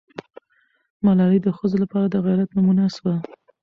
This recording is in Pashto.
ملالۍ د ښځو لپاره د غیرت نمونه سوه.